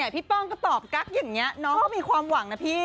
พี่ป้องก็ตอบกั๊กอย่างนี้น้องเขามีความหวังนะพี่